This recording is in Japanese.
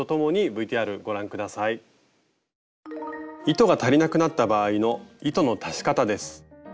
糸が足りなくなった場合の糸の足し方です。